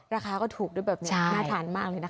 ราคาก็ถูกด้วยมากทาน